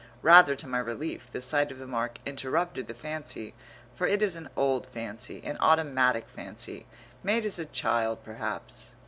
Rather to my relief the sight of the mark interrupted the fancy, for it is an old fancy, an automatic fancy, made as a child perhaps.